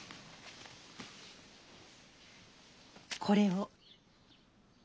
これを。